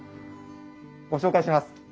ご紹介します。